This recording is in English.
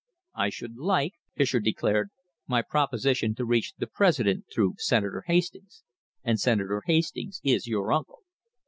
"I should like," Fischer declared, "my proposition to reach the President through Senator Hastings, and Senator Hastings is your uncle."